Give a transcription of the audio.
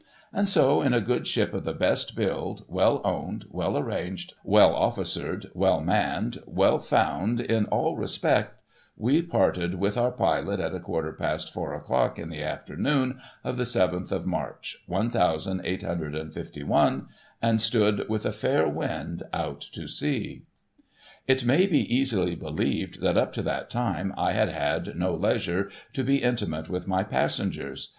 And so, in a good ship of the best build, well owned, well arranged, well officered, well manned, well found in all respects, we parted with our pilot at a quarter past four o'clock in the afternoon of the seventh of March, one thousand eight hundred and fifty one, and stood with a fair wind out to sea. It may be easily believed that up to that time I had had no leisure to be intimate with my passengers.